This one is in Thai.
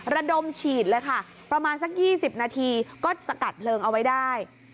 ระดมฉีดเลยค่ะประมาณสัก๒๐นาทีก็สกัดเพลิงเอาไว้ได้